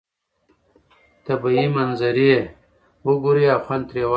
طبیعي منظرې وګورئ او خوند ترې واخلئ.